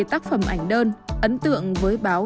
tác phẩm ảnh đơn ấn tượng với báo